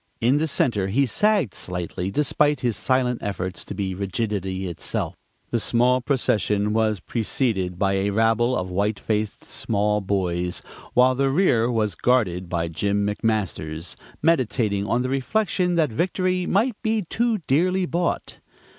In the center he sagged slightly, despite his silent efforts to be rigidity itself. The small procession was preceded by a rabble of white faced small boys, while the rear was guarded by Jim McMasters, meditating on the reflection that victory might be too dearly bought.